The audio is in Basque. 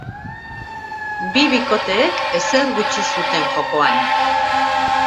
Bi bikoteek ezer gutxi zuten jokoan.